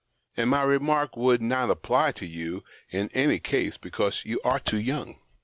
And my remark would not apply to you in any case, because you are too young.